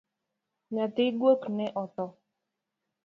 Nyathi guok ne otho